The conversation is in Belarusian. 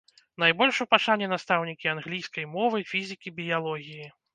Найбольш у пашане настаўнікі англійскай мовы, фізікі, біялогіі.